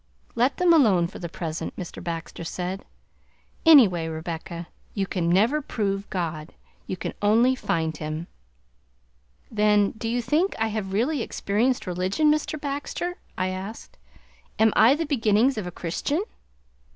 "Let them alone for the present," Mr Baxter said. "Anyway, Rebecca, you can never prove God; you can only find Him!" "Then do you think I have really experienced religion, Mr. Baxter?" I asked. "Am I the beginnings of a Christian?"